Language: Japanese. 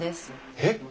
えっ！